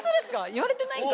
言われてないんだ。